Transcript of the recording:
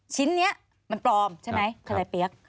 ชิ้นนี้มันปลอมใช่ไหมทนายเปี๊ยก